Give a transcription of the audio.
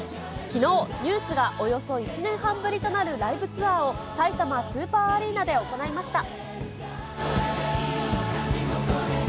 きのう、ＮＥＷＳがおよそ１年半ぶりとなるライブツアーを、さいたまスーパーアリーナで行いました。